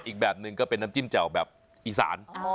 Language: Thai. อีกแบบหนึ่งก็เป็นน้ำจิ้มแจ่วแบบอีสาน